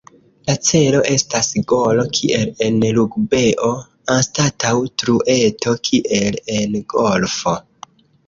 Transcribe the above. La celo estas golo kiel en rugbeo anstataŭ trueto kiel en golfo.